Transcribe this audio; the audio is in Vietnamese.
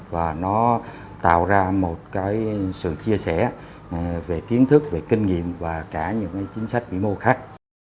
và nó tạo ra một cái sự chia sẻ về kiến thức về kinh nghiệm và cả những chính sách vĩ mô khác